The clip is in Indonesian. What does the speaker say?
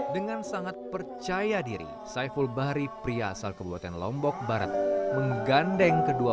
dengan sangat percaya diri saiful bahri pria asal kebuatan lombok barat menggandeng kedua